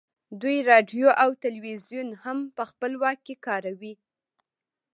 دوی راډیو او ټلویزیون هم په خپل واک کې کاروي